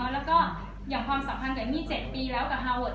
แล้วก็อย่างความสัมพันธ์กับ๒๗ปีแล้วกับฮาเวิร์ด